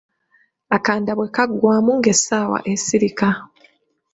Akanda bwe kaggwamu ng'essaawa esirika.